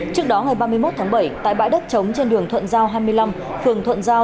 trước đó ngày ba mươi một tháng bảy tại bãi đất trống trên đường thuận giao hai mươi năm phường thuận giao